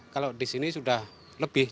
kalau di sini sudah lebih